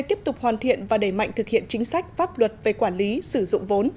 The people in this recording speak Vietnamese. tiếp tục hoàn thiện và đẩy mạnh thực hiện chính sách pháp luật về quản lý sử dụng vốn